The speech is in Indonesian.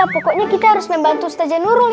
pokoknya kita harus membantu ustazah nurul ya